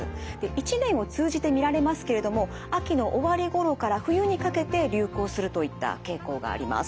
１年を通じて見られますけれども秋の終わりごろから冬にかけて流行するといった傾向があります。